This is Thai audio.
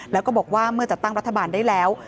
แล้วก็บอกว่าเมื่อจัดตั้งรัฐบาลได้แล้ว